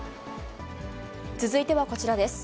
続いてはこちらです。